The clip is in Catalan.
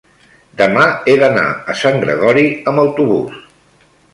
demà he d'anar a Sant Gregori amb autobús.